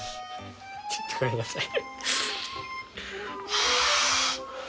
ちょっとごめんなさい。